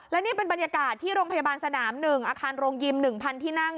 และนี่เป็นบรรยากาศที่โรงพยาบาลสนาม๑อาคารโรงยิม๑๐๐ที่นั่ง